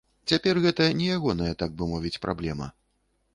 Цяпер гэта не ягоная, так бы мовіць, праблема.